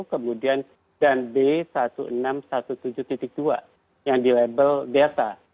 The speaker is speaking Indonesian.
kemudian dan b satu enam satu tujuh dua yang dilabel delta